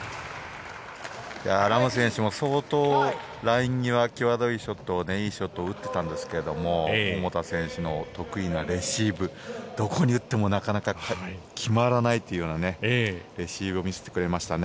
ラム選手も相当ライン際、際どいショットをいいショットを打ってたんですけど桃田選手の得意なレシーブどこに打ってもなかなか決まらないというようなレシーブを見せてくれましたね。